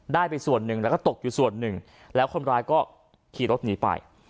ได้ไปส่วนหนึ่งแล้วก็ตกอยู่ส่วนหนึ่งแล้วคนร้ายก็ขี่รถหนีไป